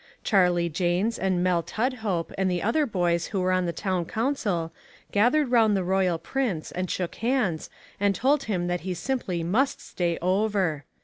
Charlie Janes and Mel Tudhope and the other boys who were on the town Council gathered round the royal prince and shook hands and told him that he simply must stay over.